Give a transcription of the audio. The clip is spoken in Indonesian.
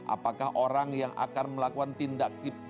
apakah orang yang akan melakukan tindakan